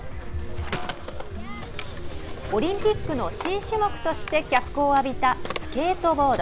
オリンピックの新種目として脚光を浴びたスケートボード。